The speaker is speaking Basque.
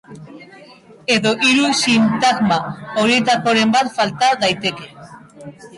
Edo hiru sintagma horietakoren bat falta daiteke.